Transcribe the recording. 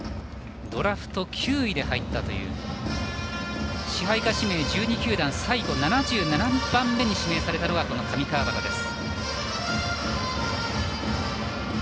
ドラフト９位で入ったという支配下指名１２球団最後７７番目に指名されたのがこの上川畑です。